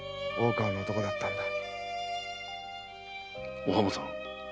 お浜さん。